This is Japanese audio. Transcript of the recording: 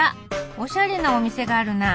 おしゃれなお店があるな。